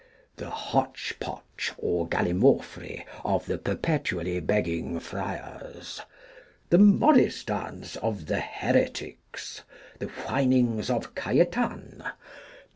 The Hotchpotch or Gallimaufry of the perpetually begging Friars. The Morris dance of the Heretics. The Whinings of Cajetan.